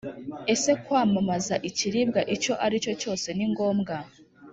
Ese kwamamaza ikiribwa icyo ari cyo cyose ni ngombwa?